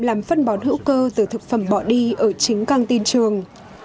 làm phân bón hữu cơ từ thực phẩm bỏ đi ở chính căng tin trường